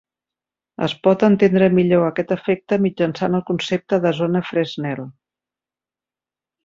Es pot entendre millor aquest efecte mitjançant el concepte de zona Fresnel.